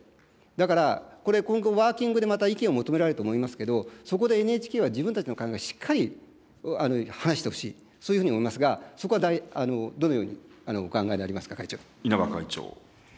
だから、これ、今後、ワーキングでまた意見を求められると思いますけど、そこでＮＨＫは自分たちの考えをしっかり話してほしい、そういうふうに思いますが、そこはどのようにお考えでありますか、稲葉会長。